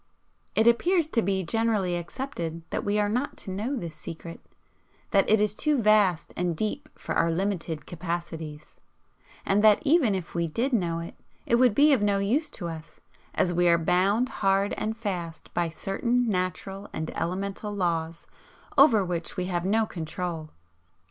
It appears to be generally accepted that we are not to know this Secret, that it is too vast and deep for our limited capacities, and that even if we did know it, it would be of no use to us, as we are bound hard and fast by certain natural and elemental laws over which we have no control.